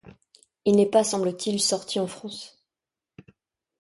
Il n'est pas, semble-t-il, sorti en France.